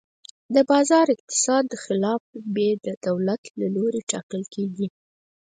د بازار اقتصاد خلاف بیې د دولت له لوري ټاکل کېدې.